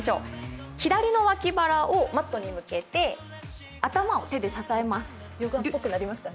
左の脇腹をマットに向けて頭を手で支えます。